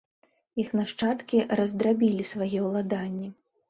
Іх нашчадкі раздрабілі свае ўладанні.